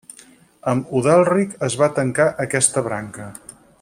Amb Udalric es va tancar aquesta branca.